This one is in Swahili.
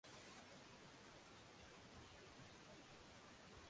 mundu ulitumika kukatia majani na mazao